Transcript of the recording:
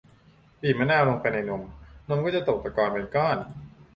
บีบมะนาวลงไปในนม นมก็จะตกตะกอนเป็นก้อน